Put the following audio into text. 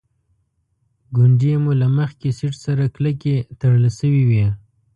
ګونډې مو له مخکې سیټ سره کلکې تړل شوې وې.